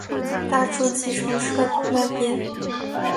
搭著计程车到那边